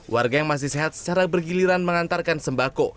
warga yang masih sehat secara bergiliran mengantarkan sembako